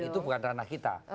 itu bukan ranah kita